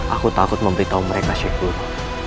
aku takut memberitahu mereka syekh guru